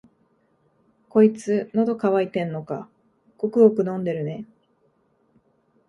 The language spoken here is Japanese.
こいつ、のど渇いてんのか、ごくごく飲んでるね。